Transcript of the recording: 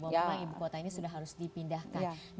karena ibu kota ini sudah harus dipindahkan